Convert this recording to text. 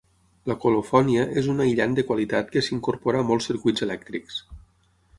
La colofònia és un aïllant de qualitat que s'incorpora a molts circuits elèctrics.